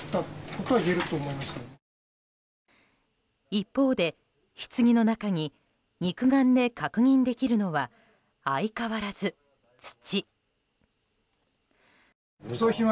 一方で、ひつぎの中に肉眼で確認できるのは相変わらず、土。